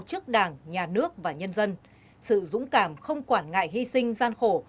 trước đảng nhà nước và nhân dân sự dũng cảm không quản ngại hy sinh gian khổ